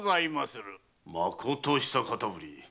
まこと久方ぶり。